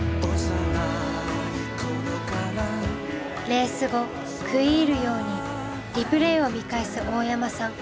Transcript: レース後食い入るようにリプレーを見返す大山さん。